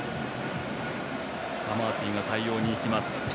アマーティが対応に行きます。